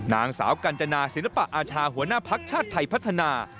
นางสาวกัญจนาศิลปะอาชาหัวหน้าภักดิ์ชาติไทยพัฒนา